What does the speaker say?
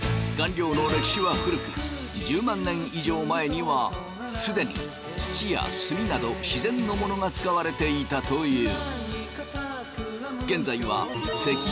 １０万年以上前には既に土や炭など自然のものが使われていたという。